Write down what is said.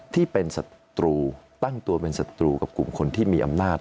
ที่เป็นศัตรูตั้งตัวเป็นศัตรูกับกลุ่มคนที่มีอำนาจ